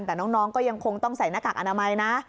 แต่น้องก็ยังคงต้องใส่หน้ากากอนามัยนะ